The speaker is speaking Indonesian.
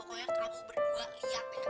pokoknya kamu berdua lihat ya